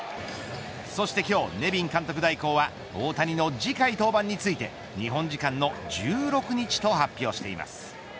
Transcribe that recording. そして今日、ネビン監督代行は大谷の次回登板について日本時間の１６日と発表しています。